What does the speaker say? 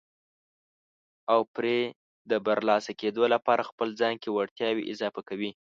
او پرې د برلاسه کېدو لپاره خپل ځان کې وړتیاوې اضافه کوي.